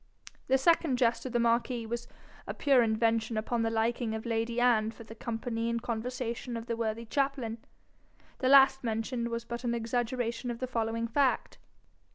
The second jest of the marquis was a pure invention upon the liking of lady Anne for the company and conversation of the worthy chaplain. The last mentioned was but an exaggeration of the following fact.